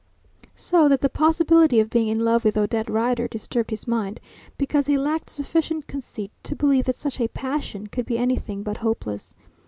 So that the possibility of being in love with Odette Rider disturbed his mind, because he lacked sufficient conceit to believe that such a passion could be anything but hopeless.